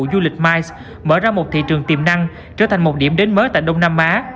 du lịch mice mở ra một thị trường tiềm năng trở thành một điểm đến mới tại đông nam á